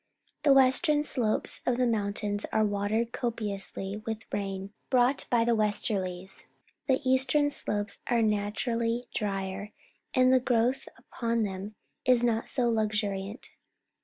The western slopes of the mountains are watered copiously with rain brought by the westerlies. The eastern slopes are natu rally drier, and the growth upon them is not so luxuriant.